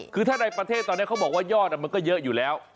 คือถ้าในประเทศตอนนี้เขาบอกว่ายอดมันก็เยอะอยู่แล้ว